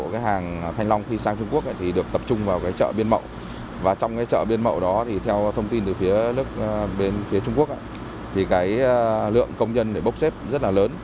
cốm ncov thì toàn bộ công nhân ở trong chợ biên mậu đó không thực hiện việc bốc xếp ở trong đó nữa